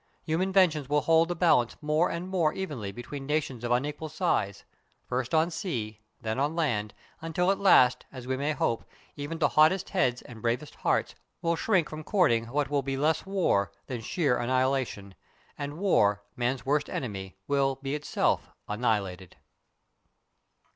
Human inventions will hold the balance more and more evenly between nations of unequal size, first on sea, then on land, until at last, as we may hope, even the hottest heads and bravest hearts will shrink from courting what will be less war than sheer annihilation, and war, man's worst enemy, will be itself annihilated.